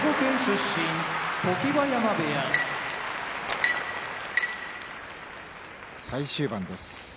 常盤山部屋最終盤です。